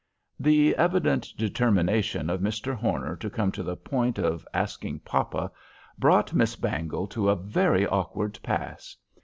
The evident determination of Mr. Horner to come to the point of asking papa brought Miss Bangle to a very awkward pass.